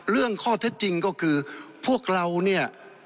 เรื่องข้อเท็จจริงก็คือพวกเราเนี่ย